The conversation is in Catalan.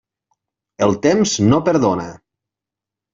El temps no perdona.